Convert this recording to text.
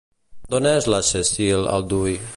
D'on és la Cécile Alduy?